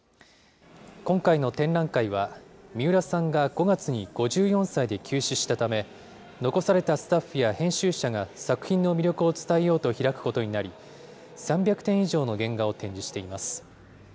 今回の展覧会は、三浦さんが５月に５４歳で急死したため、残されたスタッフや編集者が作品の魅力を伝えようと開くことになり、３００点以上の原画を展示しています。